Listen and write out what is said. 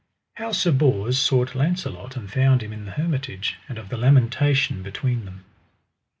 How Sir Bors sought Launcelot and found him in the hermitage, and of the lamentation between them.